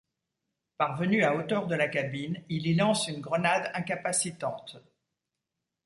Parvenu à hauteur de la cabine, il y lance une grenade incapacitante.